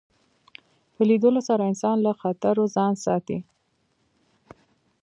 په لیدلو سره انسان له خطرو ځان ساتي